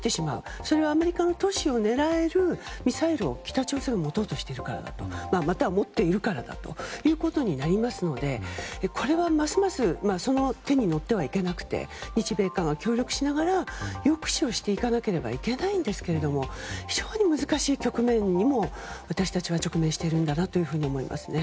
それはアメリカの都市を狙えるミサイルを北朝鮮は持とうとしているからまたは持っているからだということになりますのでこれは、ますますその手に乗ってはいけなくて日米韓が協力しながら抑止をしていかなければいけないんですが非常に難しい局面にも私たちは直面しているんだなと思いますね。